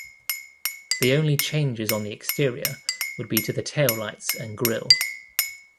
The only changes on the exterior would be to the tail lights and grille.